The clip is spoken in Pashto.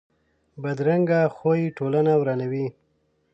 بدرنګه خوی ټولنه ورانوي